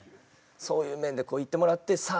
そういう面でこういってもらってさあ